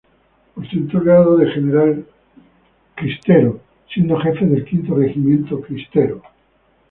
Ostentó el grado de general cristero, siendo Jefe del Quinto Regimiento Cristero.